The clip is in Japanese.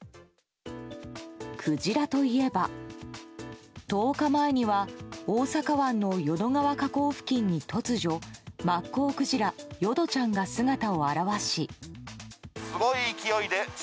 クジラといえば、１０日前には大阪湾の淀川河口付近に突如、マッコウクジラ淀ちゃんが姿を現し。